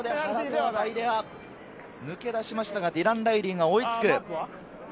ここで抜け出しましたが、ディラン・ライリーが追いつく。